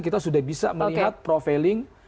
kita sudah bisa melihat profiling